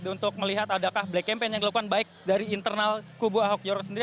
untuk melihat adakah black campaign yang dilakukan baik dari internal kubu ahok jarot sendiri